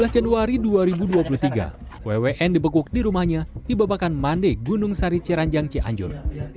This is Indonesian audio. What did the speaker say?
dua belas januari dua ribu dua puluh tiga wwn dibekuk di rumahnya di babakan mande gunung sari ceranjang cianjur